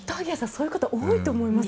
そういう方多いと思います。